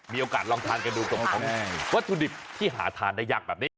มีโอกาสลองทานกันดูกับของวัตถุดิบที่หาทานได้ยากแบบนี้